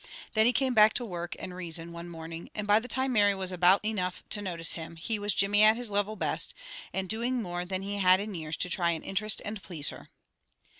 Then he came back to work and reason one morning, and by the time Mary was about enough to notice him, he was Jimmy at his level best, and doing more than he had in years to try to interest and please her.